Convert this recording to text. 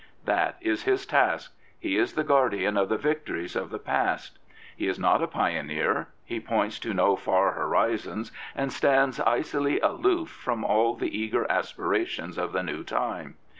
That is his task. He is the guardian of the victories of the past. He is not a pioneer. He points to no far horizons, and stands icily aloof from all the eager aspirations of the new time.